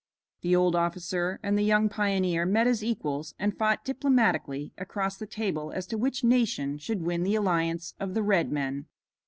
The old officer and the young pioneer met as equals and fought diplomatically across the table as to which nation should win the alliance of the red men.